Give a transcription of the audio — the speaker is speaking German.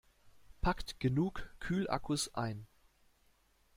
Packt genug Kühlakkus ein!